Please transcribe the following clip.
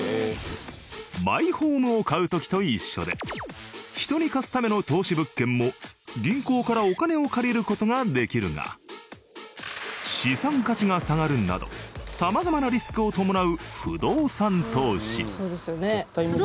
マイホームを買う時と一緒で人に貸すための投資物件も銀行からお金を借りる事ができるが資産価値が下がるなど様々なリスクを伴う不動産投資。